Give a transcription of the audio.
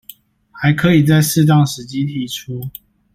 還可以在適當時機提出